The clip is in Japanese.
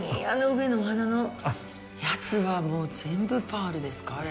あの上の、お花のやつは全部パールですか？